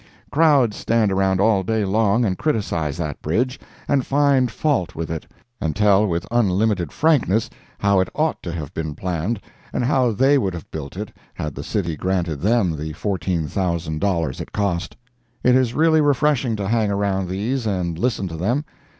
Crowds stand around all day long and criticise that bridge, and find fault with it, and tell with unlimited frankness how it ought to have been planned, and how they would have built it had the city granted them the $14,000 it cost. It is really refreshing to hang around these and listen to them.